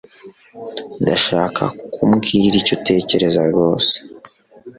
Ndashaka ko umbwira icyo utekereza rwose